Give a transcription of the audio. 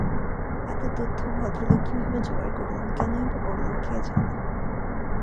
এত তথ্য ভদ্রলোক কীভাবে জোগাড় করলেন, কেনই-বা করলেন কে জানে!